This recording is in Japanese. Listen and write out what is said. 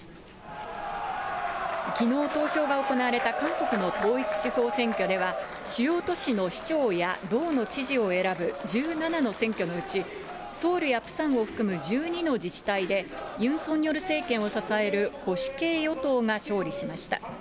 きのう投票が行われた韓国の統一地方選挙では、主要都市の市長や道の知事を選ぶ１７の選挙のうち、ソウルやプサンを含む１２の自治体で、ユン・ソンニョル政権を支える保守系与党が勝利しました。